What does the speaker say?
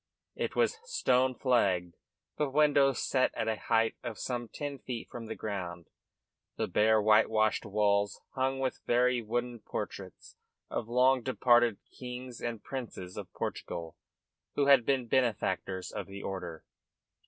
It was stone flagged, the windows set at a height of some ten feet from the ground, the bare, whitewashed walls hung with very wooden portraits of long departed kings and princes of Portugal who had been benefactors of the order.